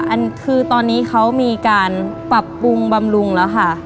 อันคือตอนนี้เขามีการปรับปรุงบำรุงแล้วค่ะ